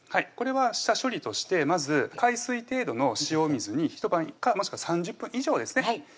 これは下処理としてまず海水程度の塩水に一晩かもしくは３０分以上ですね